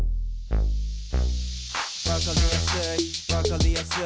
「わかりやすいわかりやすい」